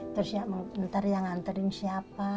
terus nanti yang nganterin siapa